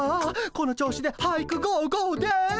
この調子で俳句ゴーゴーです。